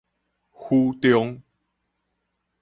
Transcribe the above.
府中